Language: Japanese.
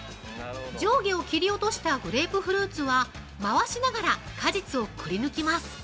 上下を切り落としたグレープフルーツは、回しながら、果実をくり抜きます。